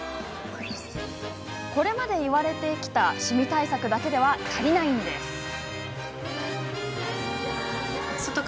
これまで言われてきたシミ対策だけでは足りないんです。